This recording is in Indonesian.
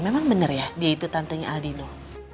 memang benar ya dia itu tantenya aldino